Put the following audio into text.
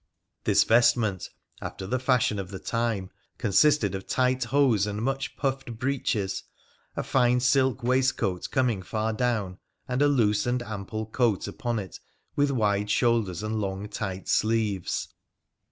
This vestment, after the fashion of the time, consisted of tight hose and much puffed breeches, a fine silk waistcoat coming far down, and a loose and ample coat upon it, with wide shoulders and long tight sleeves.